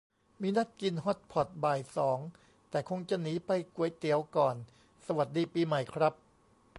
มีนัดกินฮอตพอตบ่ายสอง แต่คงจะหนีไปก๋วยเตี๋ยวก่อน สวัสดีปีใหม่ครับ